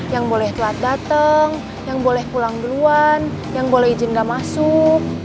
yang boleh telat datang yang boleh pulang duluan yang boleh izin nggak masuk